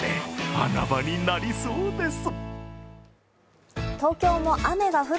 穴場になりそうです。